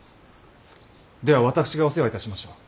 では私がお世話いたしましょう。